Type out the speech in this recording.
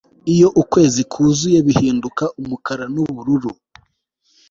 iyo ukwezi kuzuye bihinduka umukara n'ubururu